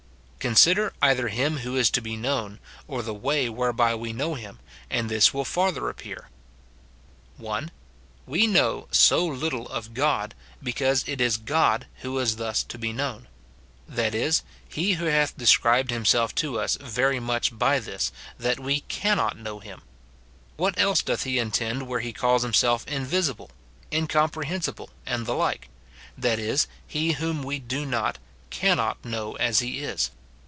, Consider either him who is to be known, or the way ■whereby we know him, and this will further appear :— (1.) We know so little of God, because it is God who is thus to be known, — that is, he who hath described himself to us very much by this, that we cannot know him. What else doth he intend where he calls himself invisible, incomprehensible and the like? — that is, he whom we do not, cannot, know as he is.